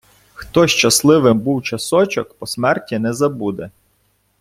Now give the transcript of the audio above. Хто щасливим був часочок, по смерті не забуде